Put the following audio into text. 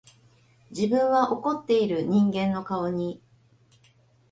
自分は怒っている人間の顔に、